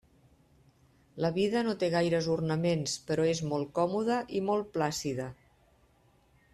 La vida no té gaires ornaments, però és molt còmoda i molt plàcida.